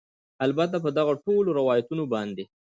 البته په دغه ټولو روایتونو باندې